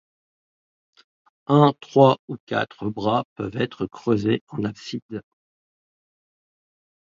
Un, trois ou quatre bras peuvent être creusés en abside.